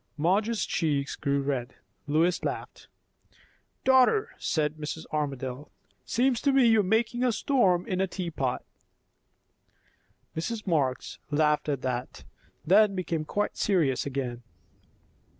Madge's cheeks grew red. Lois laughed. "Daughter," said Mrs. Armadale, "'seems to me you are making a storm in a teapot." Mrs. Marx laughed at that; then became quite serious again.